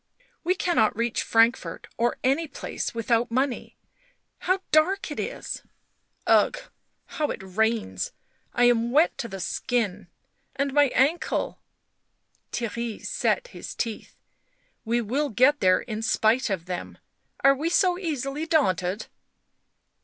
" We cannot reach Frankfort or any place without money ... how dark it is!" " Ugh ! How it rains ! I am wet to the skin ... and my ankle ...." Theirry set his teeth. " We will get there in spite of them. Are we so easily daunted?"